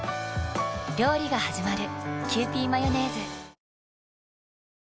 料理がはじまる。